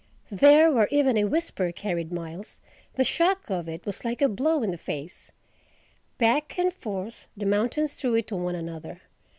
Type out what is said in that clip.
There, where even a whisper carried miles, the shock of it was like a blow in the face. Back and forth the mountains threw it to one another.